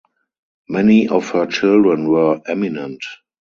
Many of her children were eminent.